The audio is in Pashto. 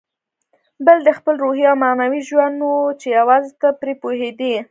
بل دې خپل روحي او معنوي ژوند و چې یوازې ته پرې پوهېدې.